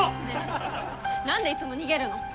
ねえ何でいつも逃げるの？